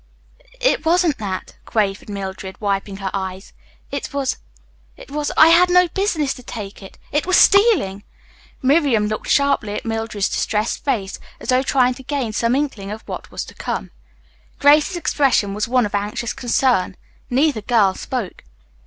"It wasn't that," quavered Mildred, wiping her eyes. "It was it was I had no business to take it. It was stealing!" Miriam looked sharply at Mildred's distressed face, as though trying to gain some inkling of what was to come. Grace's expression was one of anxious concern. Neither girl spoke.